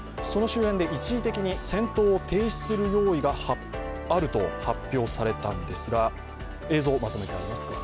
その周辺で一時的に戦闘を停止する用意があると発表されたんですが映像、まとめてあります。